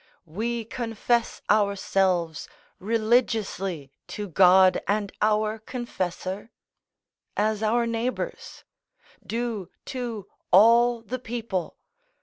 We confess ourselves religiously to God and our confessor; as our neighbours, do to all the people.